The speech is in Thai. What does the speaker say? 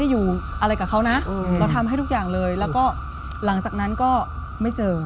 อยู่อะไรกับเขานะเราทำให้ทุกอย่างเลยแล้วก็หลังจากนั้นก็ไม่เจอ